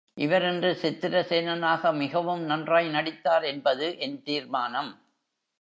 இவர் இன்று சித்திரசேனனாக மிகவும் நன்றாய் நடித்தார் என்பது என் தீர்மானம்.